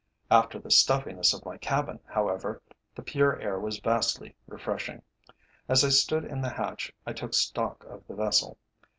After the stuffiness of my cabin, however, the pure air was vastly refreshing. As I stood in the hatch I took stock of the vessel.